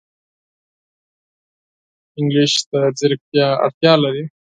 انګلیسي د ځیرکتیا اړتیا لري